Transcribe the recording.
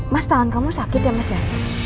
mas tangan kamu sakit ya mas ya